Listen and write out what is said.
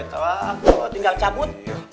kalau aku tinggal cabut